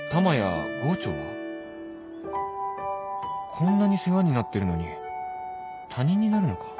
こんなに世話になってるのに他人になるのか？